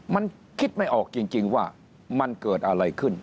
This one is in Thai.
มันคิดไม่ออกจริงว่ามันเกิดอะไรขึ้น